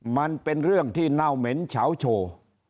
มันเป็นเรื่องที่เน่าเหม็นเฉาโชว์